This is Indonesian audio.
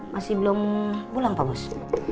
masih belum pulang pak mus